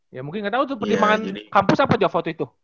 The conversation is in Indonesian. ya mungkin gak tau tuh pertimbangan kampus apa